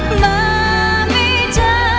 ก็กลับมาไม่ได้